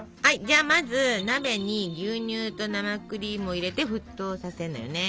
じゃまず鍋に牛乳と生クリームを入れて沸騰させるのよね。